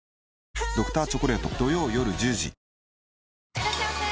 いらっしゃいませ！